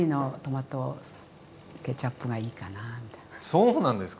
そうなんですか？